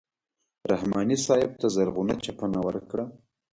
رحماني صاحب ته زرغونه چپنه ورکړه.